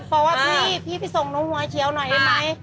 บอกว่าพี่พี่ไปส่งโน้มหัวเขียวหน่อยไอ้ไมค์